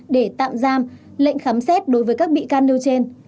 để tạm giam lệnh khám xét đối với các bị can nêu trên